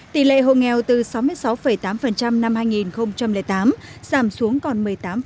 tỷ lệ hộ nghèo từ sáu mươi sáu tám năm hai nghìn tám giảm xuống còn một mươi tám